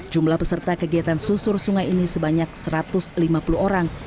jumlah peserta kegiatan susur sungai ini sebanyak satu ratus lima puluh orang